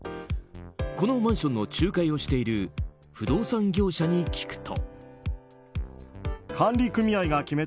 このマンションの仲介をしている不動産業者に聞くと。